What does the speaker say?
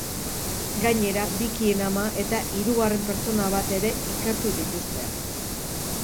Gainera, bikien ama eta hirugarren pertsona bat ere ikertu dituzte.